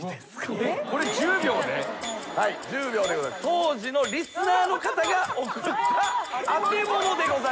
当時のリスナーの方が送った当てものでございます。